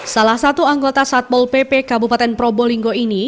salah satu anggota satpol pp kabupaten probolinggo ini